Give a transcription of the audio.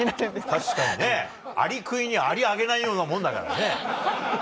確かにねアリクイにアリあげないようなもんだからね。